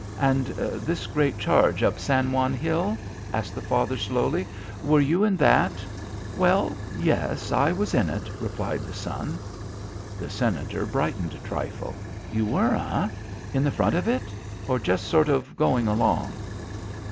"And this great charge up San Juan Hill?" asked, the father slowly. "Were you in that?" "Well yes; I was in it," replied the son. The Senator brightened a trifle. "You were, eh? In the front of it? or just sort of going along?"